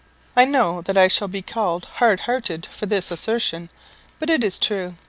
I know that I shall be called hard hearted for this assertion; but it is true.